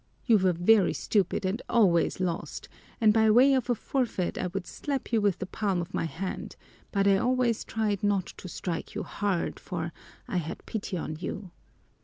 You were very stupid and always lost, and by way of a forfeit I would slap you with the palm of my hand, but I always tried not to strike you hard, for I had pity on you.